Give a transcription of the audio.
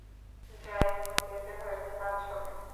যাইহোক, এতে হয়তো কাজ হবে।